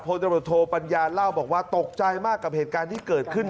ตำรวจโทปัญญาเล่าบอกว่าตกใจมากกับเหตุการณ์ที่เกิดขึ้น